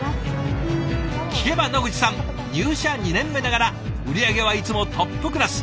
聞けば野口さん入社２年目ながら売り上げはいつもトップクラス。